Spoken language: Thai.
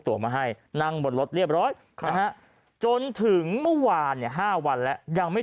ตัวมาให้นั่งบนรถเรียบร้อยนะฮะจนถึงเมื่อวานเนี่ย๕วันแล้วยังไม่